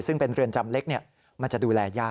ซึ่งเป็นเรือนจำเล็กมันจะดูแลย่า